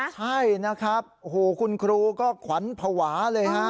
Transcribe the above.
ใช่นะครับโอ้โหคุณครูก็ขวัญภาวะเลยฮะ